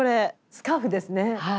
スカーフですね。